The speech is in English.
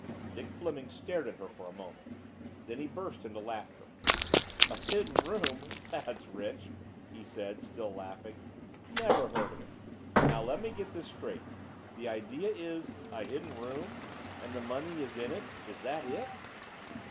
Dick Fleming stared at her for a moment. Then he burst into laughter. "A Hidden Room that's rich!" he said, still laughing. "Never heard of it! Now, let me get this straight. The idea is a Hidden Room and the money is in it is that it?"